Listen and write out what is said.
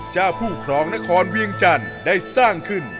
ผู้ครองนครเวียงจันทร์ได้สร้างขึ้น